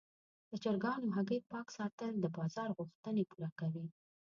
د چرګانو هګۍ پاک ساتل د بازار غوښتنې پوره کوي.